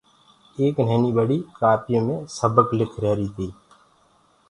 ايڪ نهيني ٻڙي ڪآپيو مي سبڪُ لک ريهريٚ تيٚ